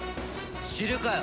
知るかよ